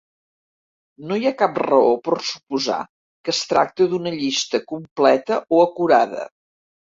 No hi ha cap raó per suposar que es tracta d'una llista completa o acurada.